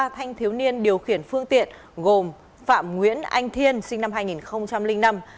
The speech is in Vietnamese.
ba thanh thiếu niên điều khiển phương tiện gồm phạm nguyễn anh thiên sinh năm hai nghìn năm